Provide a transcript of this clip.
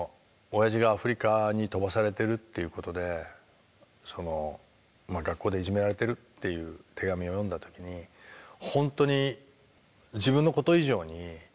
親父がアフリカに飛ばされてるっていうことで学校でいじめられているっていう手紙を読んだ時にほんとに自分のこと以上に傷ついて。